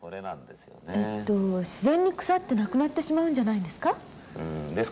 自然に腐ってなくなってしまうんじゃないんですか？